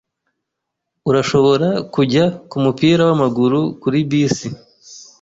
Urashobora kujya kumupira wamaguru kuri bisi.